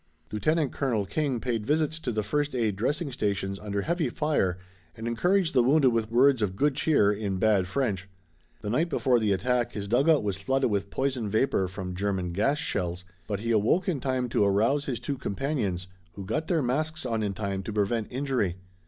Lieutenant Colonel King paid visits to the first aid dressing stations under heavy fire and encouraged the wounded with words of good cheer in bad French. The night before the attack his dugout was flooded with poison vapor from German gas shells, but he awoke in time to arouse his two companions, who got their masks on in time to prevent injury.